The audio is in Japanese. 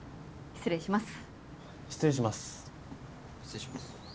失礼します。